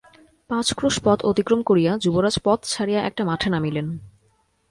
পাঁচ ক্রোশ পথ অতিক্রম করিয়া, যুবরাজ পথ ছাড়িয়া একটা মাঠে নামিলেন।